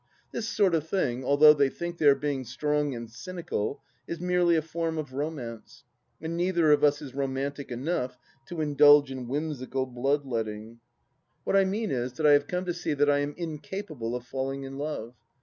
This sort of thing, although they think they are being strong and cynical, is merely a form of romance, and neither of us is romantic enough to indulge in whimsical blood letting. 263 264 THE LAST DITCH What I mean is, that I have come to see that I am incapable of falling in love.